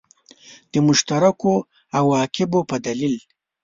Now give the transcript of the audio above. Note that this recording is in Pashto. د مشترکو عواقبو په دلیل.